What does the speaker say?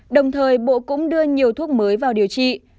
đồng thời bộ cũng đưa nhiều thuốc mới vào điều trị